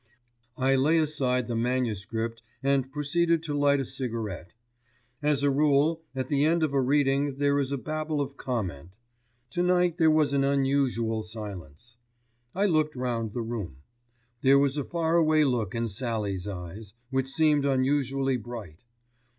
I lay aside the manuscript and proceeded to light a cigarette. As a rule at the end of a reading there is a babel of comment. To night there was an unusual silence. I looked round the room. There was a far away look in Sallie's eyes, which seemed unusually bright.